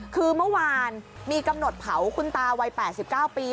คือเมื่อวานมีกำหนดเผาน้ำแก่ว้ายคุณตาครับ๘๙ปี